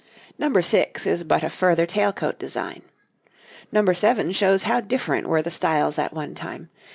Number six is but a further tail coat design. Number seven shows how different were the styles at one time.